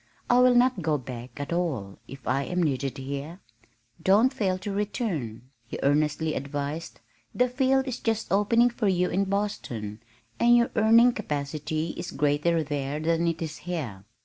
"I will not go back at all if I am needed here." "Don't fail to return," he earnestly advised. "The field is just opening for you in Boston, and your earning capacity is greater there than it is here.